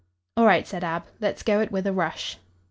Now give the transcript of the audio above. "All right," said Ab; "let's go it with a rush."